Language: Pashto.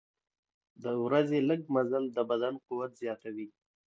د ورځې لږ مزل د بدن قوت زیاتوي.